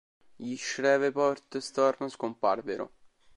Gli Shreveport Storm scomparvero.